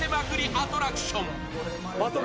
アトラクション。